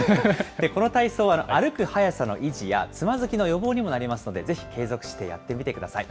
この体操は歩く速さの維持やつまずきの予防にもなりますので、ぜひ継続してやってみてください。